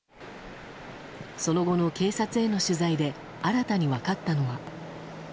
その後の警察への取材で新たに分かったのは。